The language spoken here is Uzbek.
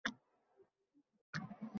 Oʼzbek degan yurtga qaratmoq.